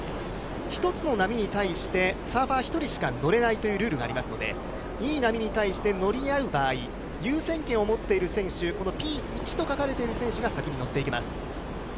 一つの波に対してサーファー１人しか乗れないというルールがありますので、いい波に対して乗り合う場合、優先権を持っている選手、Ｐ１と書かれている選手が先に乗っていきます。